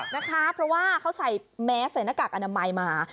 นะคะเพราะว่าเขาใส่แมสใส่หน้ากากอนามัยมา